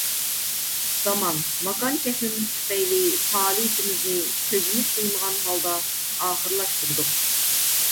زامان، ماكان چەكلىمىسى تۈپەيلى پائالىيىتىمىزنى كۆزىمىز قىيمىغان ھالدا ئاخىرلاشتۇردۇق.